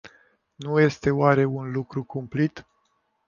Nu este oare un lucru cumplit?